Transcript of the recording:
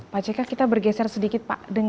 pak jk kita bergeser sedikit pak